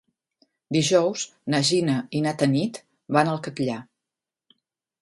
Dijous na Gina i na Tanit van al Catllar.